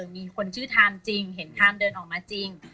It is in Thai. มีคนชื่อไทม์จริงเห็นทามเดินออกมาจริง